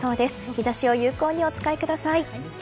日差しを有効にお使いください。